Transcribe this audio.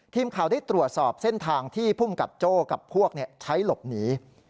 ทีมข่าวได้ตรวจสอบเส้นทางที่ภูมิกับโจ้กับพวกใช้หลบหนี